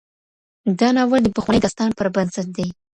دا ناول د پخواني داستان پر بنسټ دی.